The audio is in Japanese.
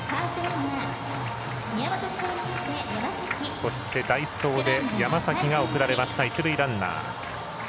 そして代走で山崎が送られました一塁ランナー。